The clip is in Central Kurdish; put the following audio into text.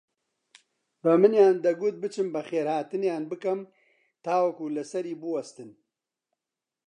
بەمنیان دەگوت بچم بەخێرهاتنیان بکەم تاوەکو لەسەری بووەستن